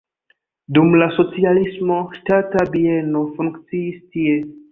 Dum la socialismo ŝtata bieno funkciis tie.